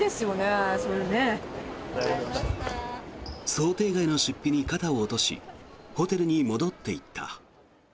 想定外の出費に肩を落としホテルに戻っていった。